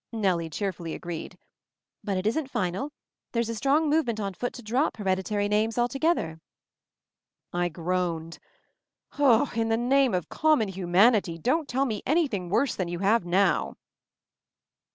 Nellie cheerfully agreed. "But it isn't final. There's a strong movement on foot to drop hereditary names altogether." I groaned. "In the name of common hu manity, don't tell me anything worse than you have now